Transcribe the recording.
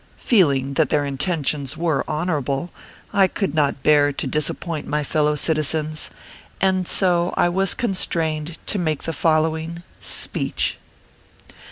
Feeling that their intentions were honorable, I could not bear to disappoint my fel low citizens, and so I was constrained to make the following SPEECH.